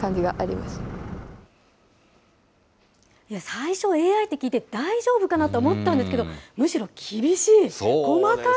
最初、ＡＩって聞いて、大丈夫かなと思ったんですけど、むしろ厳しい、細かい。